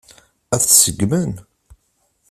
Ad t-seggmen?